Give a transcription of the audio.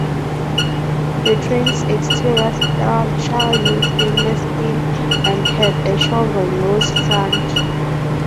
The train's exterior structure used stainless steel, and had a "shovel nose" front.